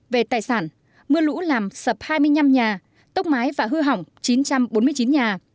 về tài sản mưa lũ làm sập hai mươi năm nhà tốc mái và hư hỏng chín trăm bốn mươi chín nhà